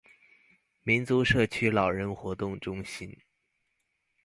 民族社區老人活動中心